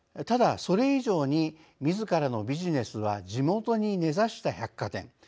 ただそれ以上にみずからのビジネスは「地元に根ざした百貨店」